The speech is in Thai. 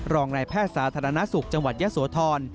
รองนายแพทย์สาธารณสุขจังหวัดยะโสธร